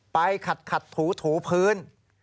ไปขัดขาดถูถูพื้น